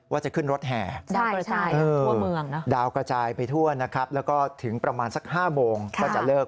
ว่าจะขึ้นรถแห่ดาวกระจายไปทั่วนะครับแล้วก็ถึงประมาณสัก๕โมงก็จะเลิก